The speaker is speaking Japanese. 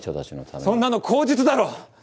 そんなの口実だろ！